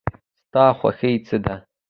ستا خوښی څه ده؟